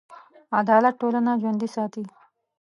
عدالت ټولنه ژوندي ساتي.